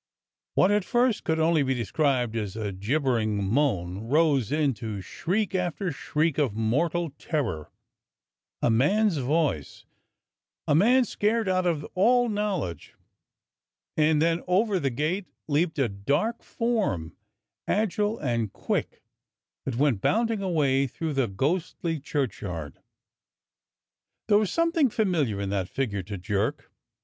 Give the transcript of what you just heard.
What at first could only be described as a gibbering moan rose into shriek after shriek of mortal terror: a man's voice, a man scared out of all knowledge; and then over the gate leaped a 119 120 DOCTOR SYN dark form, agile and quick, that went bounding away through the ghostly churchyard. There was some thing familiar in that figure to Jerk.